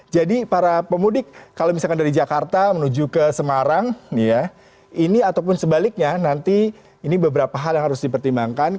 jadi para pemudik kalau misalkan dari jakarta menuju ke semarang ini ataupun sebaliknya nanti ini beberapa hal yang harus dipertimbangkan